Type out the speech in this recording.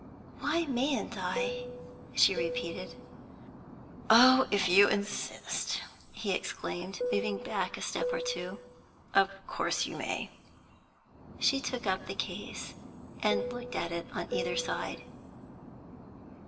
'Why mayn't I?' she repeated. 'Oh, if you insist,' he exclaimed, moving back a step or two, 'of course you may.' She took up the case, and looked at it on either side.